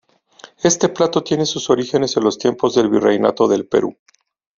Este plato tiene sus orígenes en los tiempos del Virreinato del Perú.